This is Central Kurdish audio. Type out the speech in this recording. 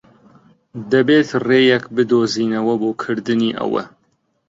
دەبێت ڕێیەک بدۆزینەوە بۆ کردنی ئەوە.